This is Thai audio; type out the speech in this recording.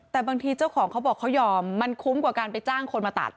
แต่บางทีเจ้าของเขาบอกเขายอมมันคุ้มกว่าการไปจ้างคนมาตัด